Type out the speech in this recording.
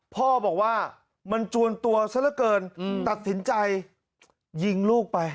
พ่อบอกว่ามันจวนตัวซะละเกินตัดสินใจยิงลูกไป